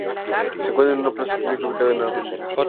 Se Encuentra una plaza pública ubicada en Av.